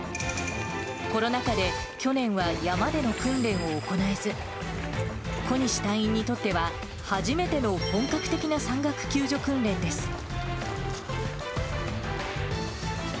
コロナ禍で、去年は山での訓練を行えず、小西隊員にとっては、初めての本格的な山岳救助訓練です。